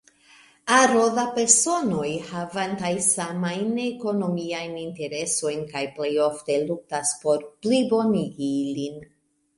Aro da personoj havantaj samajn ekonomiajn interesojn, kaj plej ofte luktas por plibonigi ilin.